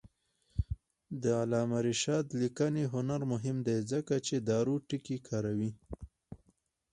د علامه رشاد لیکنی هنر مهم دی ځکه چې دارو ټکي کاروي.